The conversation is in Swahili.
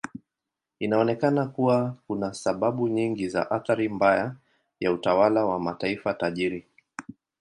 Inaonekana kuwa kuna sababu nyingi za athari mbaya ya utawala wa mataifa tajiri.